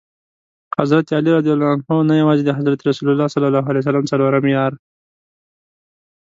حضرت علي رض نه یوازي د حضرت رسول ص څلورم یار.